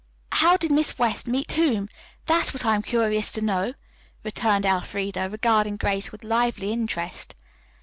"How did Miss West meet whom? That's what I am curious to know," returned Elfreda, regarding Grace with lively interest.